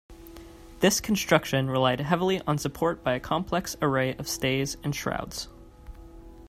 This construction relied heavily on support by a complex array of stays and shrouds.